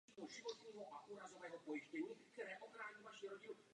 Její manžel se již znovu neoženil.